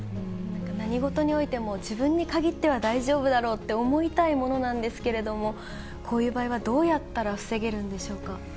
何事においても、自分に限っては大丈夫だろうって思いたいものなんですけれども、こういう場合はどうやったら防げるんでしょうか。